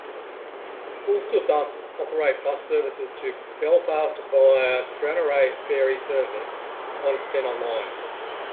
Ulsterbus operate bus services to Belfast via Stranraer Ferry service on Stena Line.